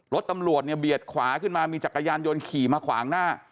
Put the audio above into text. รถตำรวจเนี่ยเบียดขวาขึ้นมามีจักรยานยนต์ขี่มาขวางหน้า